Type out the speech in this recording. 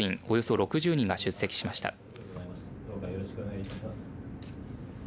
およそ６０人が出席しました。